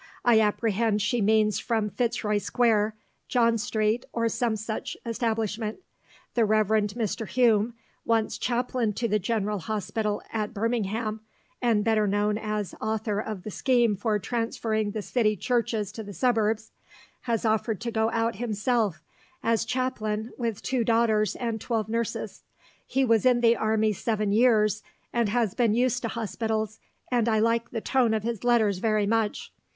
I apprehend she means from Fitzroy Square, John Street, or some such establishment. The Rev. Mr. Hume, once chaplain to the General Hospital at Birmingham (and better known as author of the scheme for transferring the city churches to the suburbs), has offered to go out himself as chaplain with two daughters and twelve nurses. He was in the army seven years, and has been used to hospitals, and I like the tone of his letters very much.